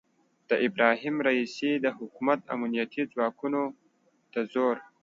د ابراهیم رئیسي د حکومت امنیتي ځواکونو د زور